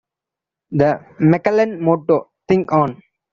The Maclellan Motto: Think on.